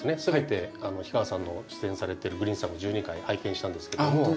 全て氷川さんの出演されてる「グリーンサム」１２回拝見したんですけども。